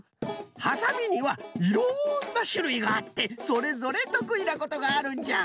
ハサミにはいろんなしゅるいがあってそれぞれとくいなことがあるんじゃ。